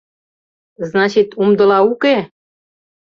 — Значит, умдыла уке?!..